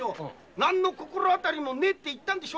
なんの心当たりもねえと言ったんでしょ。